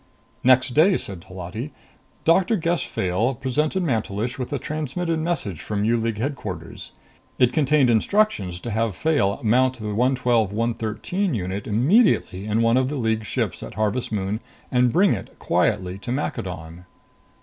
"Next day," said Holati, "Doctor Gess Fayle presented Mantelish with a transmitted message from U League Headquarters. It contained instructions to have Fayle mount the 112 113 unit immediately in one of the League ships at Harvest Moon and bring it quietly to Maccadon."